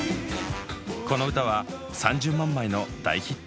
この歌は３０万枚の大ヒット。